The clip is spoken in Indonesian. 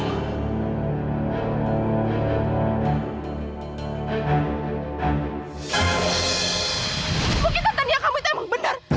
ibu kita taniah kamu itu emang benar